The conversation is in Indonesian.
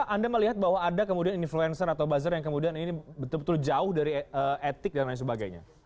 anda melihat bahwa ada kemudian influencer atau buzzer yang kemudian ini betul betul jauh dari etik dan lain sebagainya